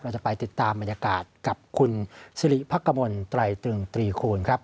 เราจะไปติดตามบริเวณมันยากาศคุณศิริพกมลไตรตึงตรีคูณครับ